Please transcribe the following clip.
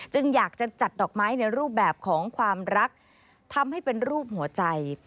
อยากจะจัดดอกไม้ในรูปแบบของความรักทำให้เป็นรูปหัวใจ